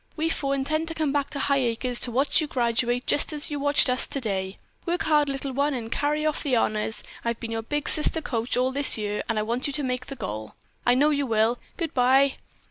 We four intend to come back to Highacres to watch you graduate just as you watched us today. Work hard, Little One, and carry off the honors. I've been your big sister coach all this year, and I want you to make the goal. I know you will! Goodbye!"